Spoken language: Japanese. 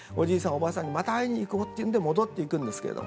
おばあさんにまた会いに行こうっていうんで戻っていくんですけれども。